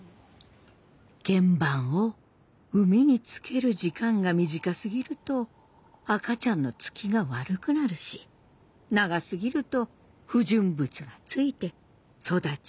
原盤を海につける時間が短すぎると赤ちゃんのつきが悪くなるし長すぎると不純物がついて育ちが悪くなるのです。